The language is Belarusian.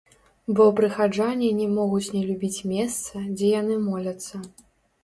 Бо прыхаджане не могуць не любіць месца, дзе яны моляцца.